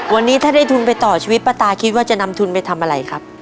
วันนี้ถ้าได้ทุนไปต่อชีวิตป้าตาคิดว่าจะนำทุนไปทำอะไรครับ